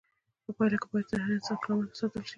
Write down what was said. په پایله کې باید د هر انسان کرامت وساتل شي.